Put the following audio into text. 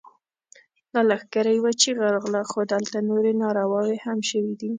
له لښکره يوه چيغه راغله! خو دلته نورې نارواوې هم شوې دي.